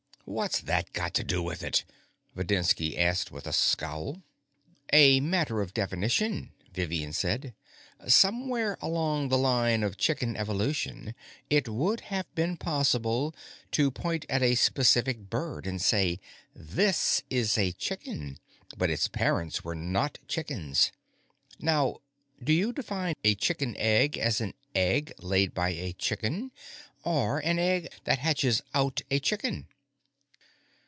"What's that got to do with it?" Videnski asked with a scowl. "A matter of definition," Vivian said. "Somewhere along the line of chicken evolution, it would have been possible to point at a specific bird and say, 'This is a chicken, but its parents were not chickens.' Now, do you define a chicken egg as an egg laid by a chicken or an egg that hatches out a chicken?"